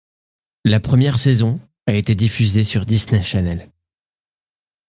La première saison a été diffusée sur Disney Channel.